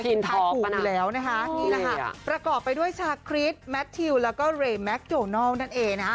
ทีนทอล์กประกอบไปด้วยชาคริสแมททิวแล้วก็เรยแมคโจนอลนั่นเองนะฮะ